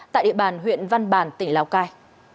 tại địa bàn huyện văn bản tỉnh lào cai